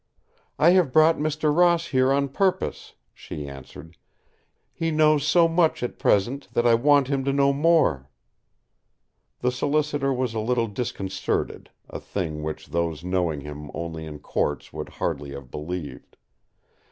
"I have brought Mr. Ross here on purpose," she answered. "He knows so much at present, that I want him to know more." The solicitor was a little disconcerted, a thing which those knowing him only in courts would hardly have believed.